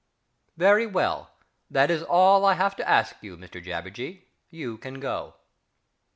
Very well that is all I have to ask you Mr JABBERJEE. You can go....